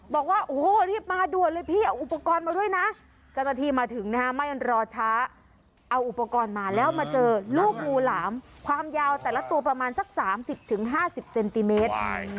บอกว่าโอ้โหรีบมาด่วนเลยพี่เอาอุปกรณ์มาด้วยนะเจ้าหน้าที่มาถึงนะฮะไม่รอช้าเอาอุปกรณ์มาแล้วมาเจอลูกงูหลามความยาวแต่ละตัวประมาณสัก๓๐๕๐เซนติเมตร